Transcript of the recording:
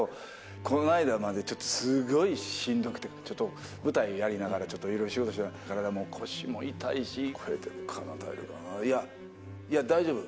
この間まで、ちょっとすごいしんどくて、ちょっと舞台やりながら、ちょっといろいろ仕事してたんですけど、体、腰も痛いし、声、大丈夫かな、いや、大丈夫！